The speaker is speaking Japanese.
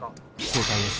正解です。